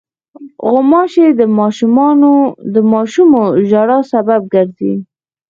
غوماشې د ماشومو ژړا سبب ګرځي.